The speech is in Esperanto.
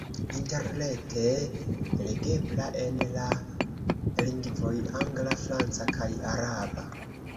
Interrete legebla en la lingvoj angla, franca kaj araba.